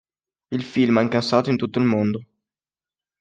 Il film ha incassato in tutto il mondo.